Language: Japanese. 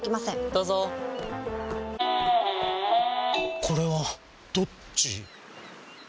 どうぞこれはどっち？